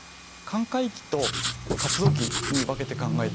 寛解期と活動期に分けて考えてみます。